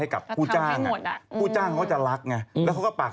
ความดังก็อยู่กับการซิขซัค